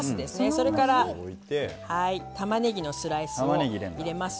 それからたまねぎのスライスを入れます。